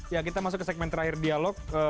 ya kita masuk ke segmen terakhir dialog